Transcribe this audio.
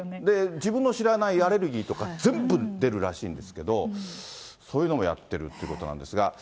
自分の知らないアレルギーとか全部出るらしいんですけど、そういうのもやってるってことなんですが。